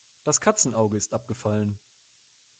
Das Katzenauge ist abgefallen.